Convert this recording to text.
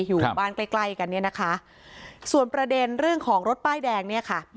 อยู่บ้านใกล้ใกล้กันเนี่ยนะคะส่วนประเด็นเรื่องของรถป้ายแดงเนี่ยค่ะ